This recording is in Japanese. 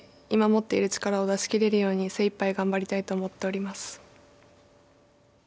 今持っている力を出し切れるように精いっぱい頑張りたいと思っております。